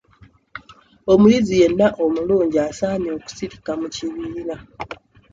Omuyizi yenna omulungi asaanye okusirika mu kibiina.